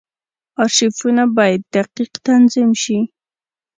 ارشیفونه باید دقیق تنظیم شي.